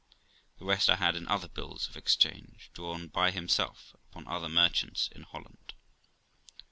The rest I had in other bills of exchange, drawn by himself upon other merchants in Holland.